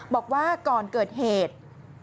บอกว่าก่อนเกิดเหตุ